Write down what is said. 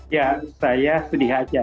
ya saya sedih saja